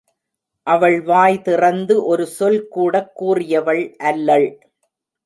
அவள் வாய் திறந்து ஒரு சொல்கூடக் கூறியவள் அல்லள்.